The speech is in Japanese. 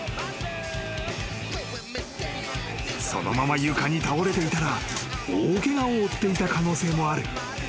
［そのまま床に倒れていたら大ケガを負っていた可能性もある］